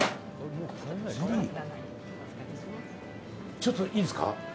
ちょっといいですか。